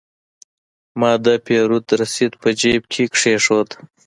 ما د پیرود رسید په جیب کې کېښود.